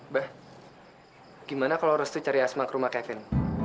bah gimana kalau restu cari asma ke rumah kevin